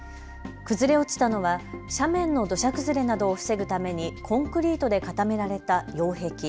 崩れ落ちたのは斜面の土砂崩れなどを防ぐためにコンクリートで固められた擁壁。